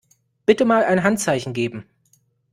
Bitte mal ein Handzeichen geben.